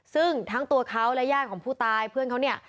ซึ่งทั้งตัวเขาและญาติของผู้ตายเพื่อนเขาเนี่ย